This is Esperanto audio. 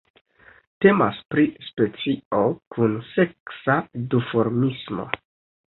Temas pri specio kun seksa duformismo.